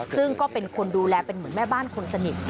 ซึ่งก็เป็นคนดูแลแบบแม่บ้านคนสนิท